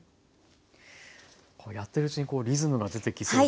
やってるうちにリズムが出てきそうですよね。